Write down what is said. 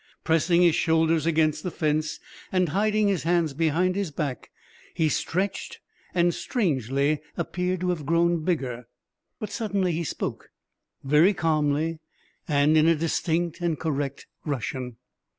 Pressing his shoulders against the fence and hiding his hands behind his back, he stretched and strangely appeared to have grown bigger. But suddenly he spoke, very calmly and in a distinct and correct Russian.